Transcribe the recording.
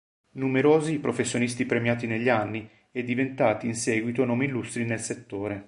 Numerosi i professionisti premiati negli anni, e diventati in seguito nomi illustri nel settore.